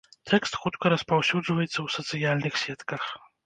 Тэкст хутка распаўсюджваецца ў сацыяльных сетках.